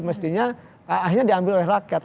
mestinya akhirnya diambil oleh rakyat